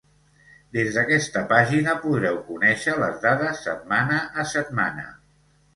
Des d'aquesta pàgina podreu conèixer les dades setmana a setmana.